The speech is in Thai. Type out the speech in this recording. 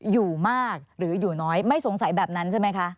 อยู่มากหรืออยู่น้อยไม่สงสัยแบบนั้นใช่ไหมคะ